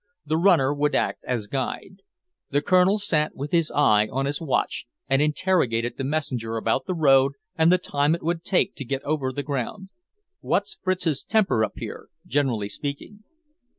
The runner would act as guide. The Colonel sat with his eye on his watch, and interrogated the messenger about the road and the time it would take to get over the ground. "What's Fritz's temper up here, generally speaking?"